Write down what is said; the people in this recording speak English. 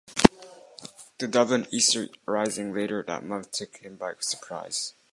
The Dublin Easter Rising later that month took him by surprise.